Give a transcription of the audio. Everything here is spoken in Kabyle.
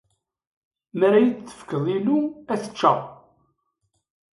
Mer ad iyi-d-tefkeḍ ilu, ad t-ččeɣ.